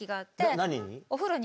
何に？